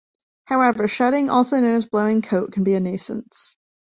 However, shedding, also known as blowing coat, can be a nuisance.